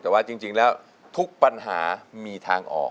แต่ว่าจริงแล้วทุกปัญหามีทางออก